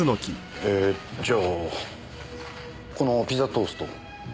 えじゃあこのピザトーストを。